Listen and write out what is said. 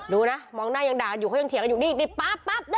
ดูนะมองหน้ายังด่าอยู่เขายังเถียงกันอยู่นี่ปั๊บ